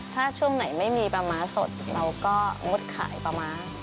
ถ้าช่วงไหนไม่มีปลาม้าสดเราก็งดขายปลาม้า